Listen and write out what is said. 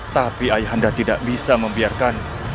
tapi ayah anda tidak bisa membiarkan